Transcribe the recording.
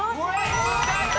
正解！